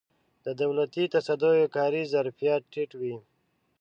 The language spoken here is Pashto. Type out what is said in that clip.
د دولتي تصدیو کاري ظرفیت ټیټ وي.